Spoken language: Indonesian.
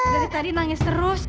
dari tadi nangis terus